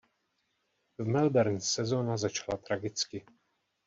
V Melbourne sezóna začala tragicky.